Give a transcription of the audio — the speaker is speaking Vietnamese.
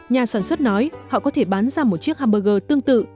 nhà sản xuất nói họ có thể bán ra một chiếc hamburger tương tự